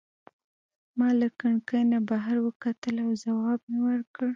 ما له کړکۍ نه بهر وکتل او ځواب مي ورکړ.